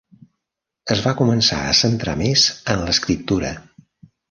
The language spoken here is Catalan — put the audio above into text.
Es va començar a centrar més en l'escriptura.